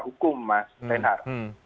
hukum mas renhar